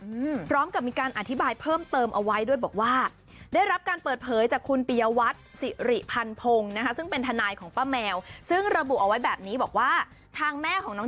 อืมพร้อมกับมีการอธิบายเพิ่มเติมเอาไว้ด้วยบอกว่าได้รับการเปิดเผยจากคุณปียวัตรสิริพันพงศ์นะคะซึ่งเป็นทนายของป้าแมวซึ่งระบุเอาไว้แบบนี้บอกว่าทางแม่ของน้อง